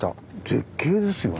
絶景ですよね。